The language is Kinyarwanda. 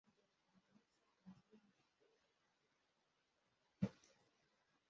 bagahera umunsi numunsinga Leta itangamo